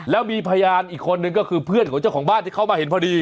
แล้วมีพยานอีกคนนึงก็คือเพื่อนของเจ้าของบ้านที่เข้ามาเห็นพอดี